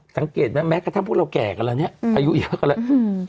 สังเกตไหมแม้กระทั่งพวกเราแก่กันแล้วเนี่ยอายุเยอะกันแล้ว